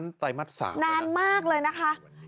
นานมากเลยนะคะ